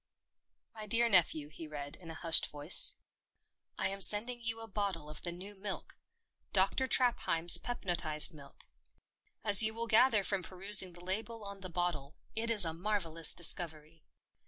" My dear nephew," he read, in a hushed voice. " I am sending you a bottle of the new milk— Dr. Trapheim's Pepnotised Milk. As you will gather from perusing the label on the bottle, it is a marvellous discovery.